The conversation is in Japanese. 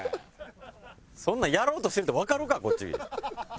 そんなんやろうとしてるってわかるかこっち。